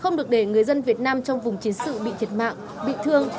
không được để người dân việt nam trong vùng chiến sự bị thiệt mạng bị thương